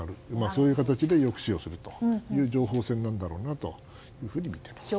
そういう形で抑止するという情報戦なんだろうなと思います。